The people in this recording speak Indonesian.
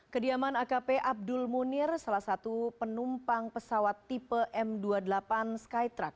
kediaman akp abdul munir salah satu penumpang pesawat tipe m dua puluh delapan skytruck